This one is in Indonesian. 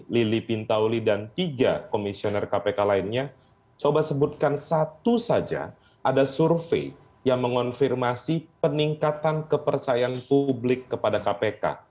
lili pintauli dan tiga komisioner kpk lainnya coba sebutkan satu saja ada survei yang mengonfirmasi peningkatan kepercayaan publik kepada kpk